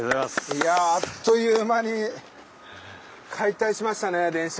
いやあっという間に解体しましたね電車。